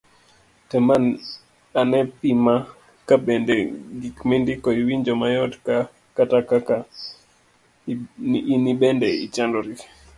tem ane pima ka bende gik mindiko iwinjo mayot kata ka in bende ichandori